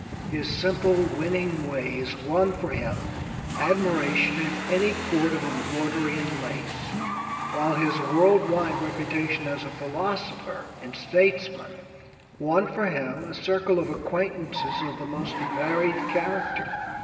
His simple winning ways won for him admiration in any court of embroidery and lace, while his world wide reputation as a philosopher and statesman won for him a circle of acquaintances of the most varied character.